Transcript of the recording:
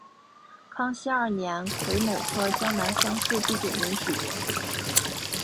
康熙二年癸卯科江南乡试第九名举人。